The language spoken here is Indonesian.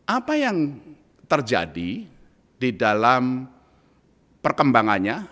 apa yang terjadi di dalam perkembangannya